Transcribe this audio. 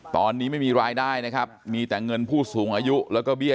ตอนนี้ไม่มีรายได้นะครับมีแต่เงินผู้สูงอายุแล้วก็เบี้ย